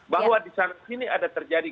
bahwa disini ada terjadi